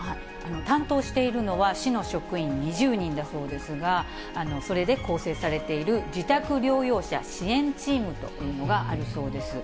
担当しているのは、市の職員２０人だそうですが、それで構成されている自宅療養者支援チームというのがあるそうです。